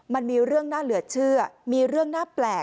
แม่ของแม่แม่ของแม่